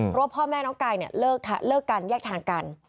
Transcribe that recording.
เพราะว่าพ่อแม่น้องกายเนี่ยเลิกกันแยกทางกัน